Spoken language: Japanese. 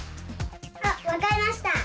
あわかりました！